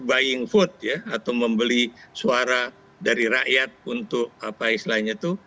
buying food ya atau membeli suara dari rakyat untuk apa istilahnya itu